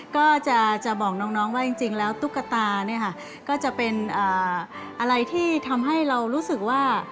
ก็จะบอกน้องว่าจริงแล้วตุ๊กตาเนี่ยค่ะก็จะเป็นอะไรที่ทำให้เรารู้สึกว่า